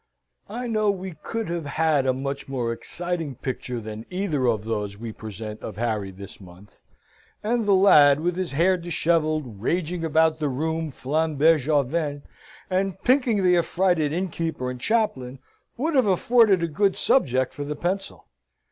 I know we could have had a much more exciting picture than either of those we present of Harry this month, and the lad, with his hair dishevelled, raging about the room flamberge au vent, and pinking the affrighted innkeeper and chaplain, would have afforded a good subject for the pencil.